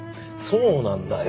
そうなんだよ。